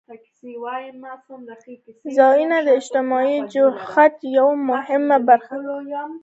سیلاني ځایونه د اجتماعي جوړښت یوه مهمه برخه ده.